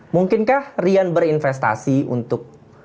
mungkinkah rian berinvestasi untuk